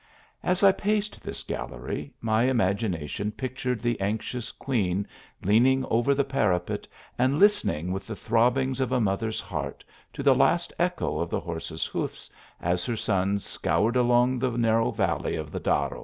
104 THE ALIIAMBRA. As I paced this gallery, my imagination pictured the anxious queen leaning over the parapet, and listening, with the throbbings of a mother s heart, to the last echo of the horses hoofs, as her son scoured along the narrow valley of the Darro.